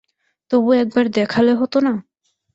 তবু একবার দেখালে হত না?